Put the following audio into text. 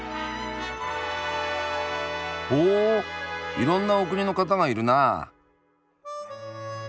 ほいろんなお国の方がいるなあ。